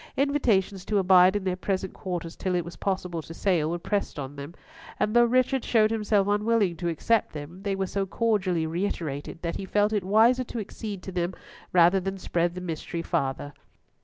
Invitations to abide in their present quarters till it was possible to sail were pressed on them; and though Richard showed himself unwilling to accept them, they were so cordially reiterated, that he felt it wiser to accede to them rather than spread the mystery farther.